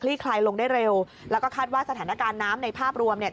คลายลงได้เร็วแล้วก็คาดว่าสถานการณ์น้ำในภาพรวมเนี่ย